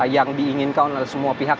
yang diinginkan oleh semua pihak